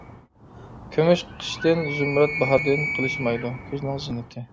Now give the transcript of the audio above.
كۈمۈش قىشتىن، زۇمرەت باھاردىن، قېلىشمايدۇ كۈزنىڭ زىننىتى.